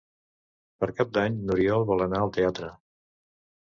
Per Cap d'Any n'Oriol vol anar al teatre.